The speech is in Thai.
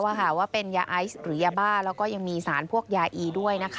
ว่าเป็นยาไอซ์หรือยาบ้าแล้วก็ยังมีสารพวกยาอีด้วย